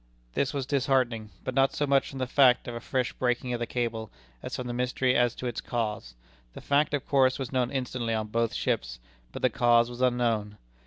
This was disheartening, but not so much from the fact of a fresh breaking of the cable, as from the mystery as to its cause. The fact, of course, was known instantly on both ships, but the cause was unknown.